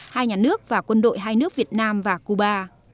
hai nhà nước và quân đội hai nước việt nam và cuba